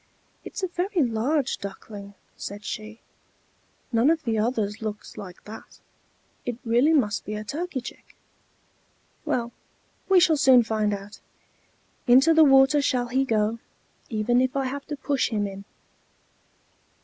"It's a very large Duckling," said she. "None of the others looks like that: it really must be a turkey chick! Well, we shall soon find out. Into the water shall he go, even if I have to push him in."